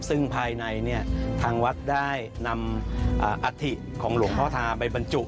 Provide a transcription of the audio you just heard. ซึ่งภายในทางวัดได้นำอัฐิของหลวงพ่อธามไปบรรจุ